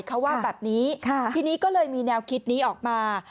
เขาว่าแบบนี้ทีนี้ก็เลยมีแนวคิดนี้ออกมา